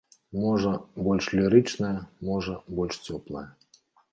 Можа, больш лірычная, можа, больш цёплая.